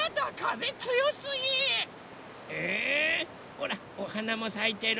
ほらおはなもさいてる。